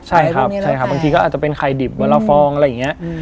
ใช่ครับบางทีก็อาจจะเป็นไข่ดิบเวลาฟองอะไรอย่างนี้